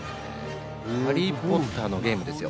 『ハリー・ポッター』のゲームですよ。